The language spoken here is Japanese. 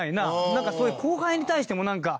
なんかそういう後輩に対してもなんか。